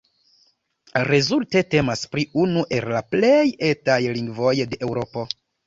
Rezulte temas pri unu el la plej "etaj" lingvoj de Eŭropo.